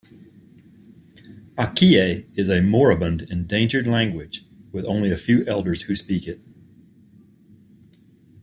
Akie is a moribund endangered language, with only a few elders who speak it.